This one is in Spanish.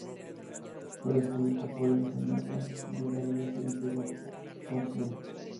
Fue descubierta por el geómetra de la Grecia antigua Perseo.